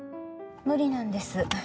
無理なんです。